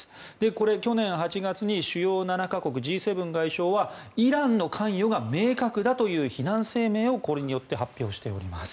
これ、去年８月に主要７国・Ｇ７外相はイランの関与が明確だという非難声明をこれによって発表しております。